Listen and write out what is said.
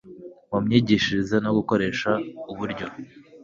mu myigishirize no gukoresha uburyo